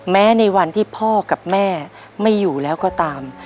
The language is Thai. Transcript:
ในวันที่พ่อกับแม่ไม่อยู่แล้วก็ตาม